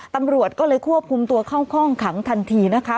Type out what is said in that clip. ตำรวจก็เลยควบคุมตัวเข้าห้องขังทันทีนะคะ